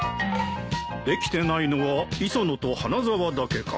できてないのは磯野と花沢だけか。